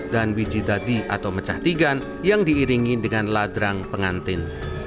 dan wijitadi atau mecah digan yang diiringi dengan ladrang pengantin